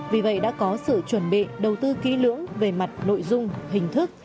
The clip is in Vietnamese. vì vậy đã có sự chuẩn bị đầu tư kỹ lưỡng về mặt nội dung hình thức